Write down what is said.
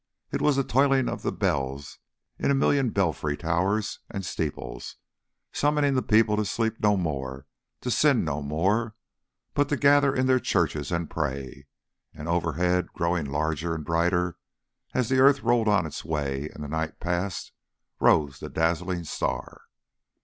It was the tolling of the bells in a million belfry towers and steeples, summoning the people to sleep no more, to sin no more, but to gather in their churches and pray. And overhead, growing larger and brighter, as the earth rolled on its way and the night passed, rose the dazzling star.